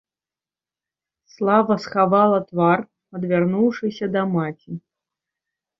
Слава схавала твар, адвярнуўшыся да маці.